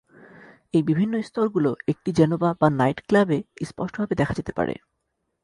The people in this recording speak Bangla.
এই বিভিন্ন স্তরগুলো একটা জেনবা বা নাইটক্লাবে স্পষ্টভাবে দেখা যেতে পারে।